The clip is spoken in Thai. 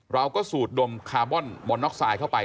สูดดมคาร์บอนมอนน็อกไซด์เข้าไป